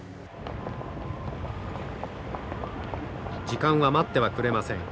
時間は待ってはくれません。